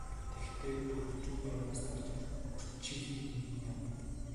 Тэгэхдээ бүр өчүүхэн юмнаас болж үрчийхийг минь яана.